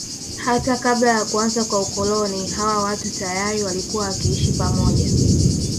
Hata kabla ya kuanza kwa ukoloni hawa watu tayari walikuwa wakiishi pamoja